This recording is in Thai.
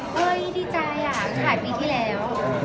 เฮ้ยดีใจอ่ะถ่ายปีที่แล้ว